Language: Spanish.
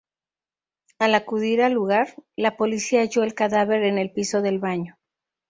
Al acudir al lugar, la policía halló el cadáver en el piso del baño.